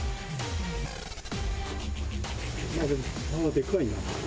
でかいな。